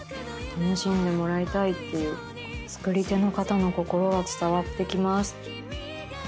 楽しんでもらいたいっていう作り手の方の心が伝わってきます。